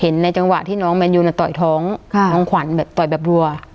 ในจังหวะที่น้องแมนยูน่ะต่อยท้องน้องขวัญแบบต่อยแบบรัว